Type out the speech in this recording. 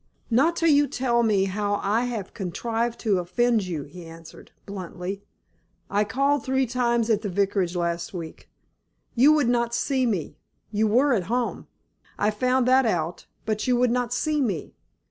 "Not till you tell me how I have contrived to offend you," he answered, bluntly. "I called three times at the Vicarage last week. You would not see me; you were at home. I found that out, but you would not see me.